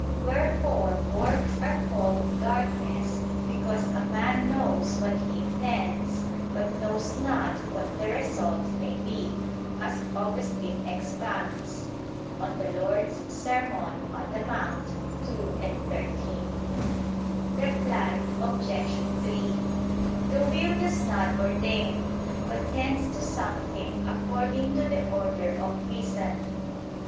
Wherefore works are called darkness because a man knows what he intends, but knows not what the result may be, as Augustine expounds (De Serm. Dom. in Monte ii, 13). Reply Obj. 3: The will does not ordain, but tends to something according to the order of reason.